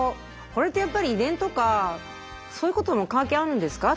これってやっぱり遺伝とかそういうことも関係あるんですか？